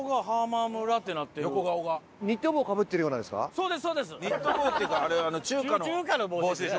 そうですそうです。